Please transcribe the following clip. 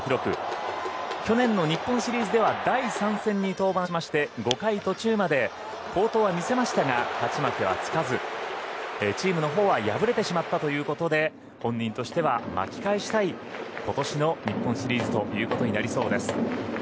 去年の日本シリーズでは第３戦に登板し５回途中まで好投は見せましたが勝ち負けはつかずチームは敗れてしまったということで本人としては巻き返したい今年の日本シリーズとなりそうです。